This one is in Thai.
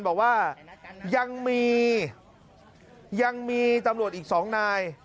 บอกว่ายังมีตำรวจอีก๒นาย